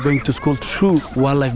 bởi các loài khó khăn sống yên tĩnh